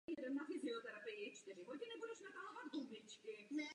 Takže co jsou inteligentní dopravní systémy?